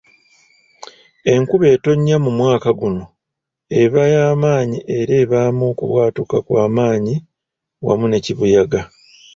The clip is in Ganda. Enkuba etonnya mu mwaka guno eba yamaanyi era ebaamu okubwatuka kwamaanyi wamu ne kibuyaga.